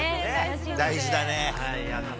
大事だね。